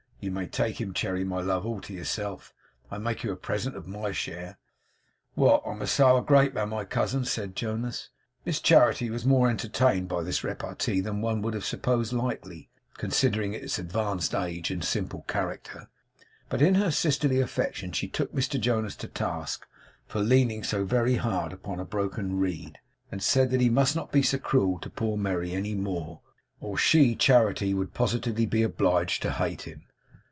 You may take him, Cherry, my love, all to yourself. I make you a present of my share.' 'What! I'm a sour grape, am I, cousin?' said Jonas. Miss Charity was more entertained by this repartee than one would have supposed likely, considering its advanced age and simple character. But in her sisterly affection she took Mr Jonas to task for leaning so very hard upon a broken reed, and said that he must not be so cruel to poor Merry any more, or she (Charity) would positively be obliged to hate him.